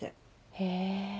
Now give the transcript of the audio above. へぇ。